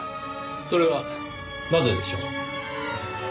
それはなぜでしょう？